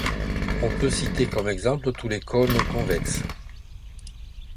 On peut citer comme exemples tous les cônes convexes.